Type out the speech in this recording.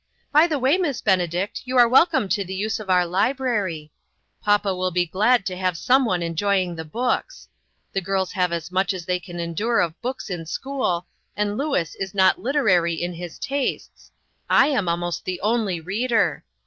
By the way, Miss Benedict, you are welcome to the use of our library. Papa will be glad to have some one enjoying the books. The girls have as much as they can endure of books in school, and Louis is not literary in his tastes ; I am almost the only reader.